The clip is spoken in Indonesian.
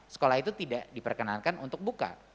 sekolah itu tidak diperkenankan untuk buka